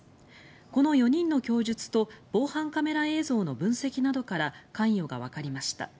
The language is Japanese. この４人の供述と防犯カメラ映像の分析などから関与がわかりました。